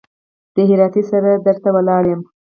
د هراتۍ سره در ته ولاړ يم.